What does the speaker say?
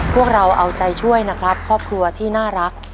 พวกเราเอาใจช่วยนะครับครอบครัวที่น่ารัก